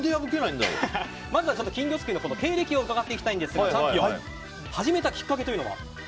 まずは、金魚すくいの経歴をうかがっていきたいんですがチャンピオン始めたきっかけというのは？